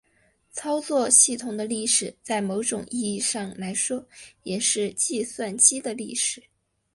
操作系统的历史在某种意义上来说也是计算机的历史。